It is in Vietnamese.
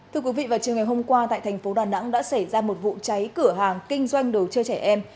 thưa quý vị vào chiều ngày hôm qua tại thành phố đà nẵng đã xảy ra một vụ cháy cửa hàng kinh doanh đồ chơi trẻ em